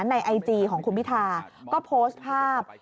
ในไอจีของคุณพิธาก็โพสต์ภาพ